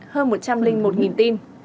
hơn một trăm linh một tin